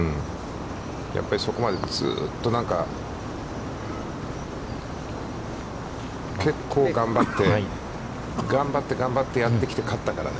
やっぱりそこまで、ずうっと結構頑張って、頑張って頑張ってやってきて、勝ったからね。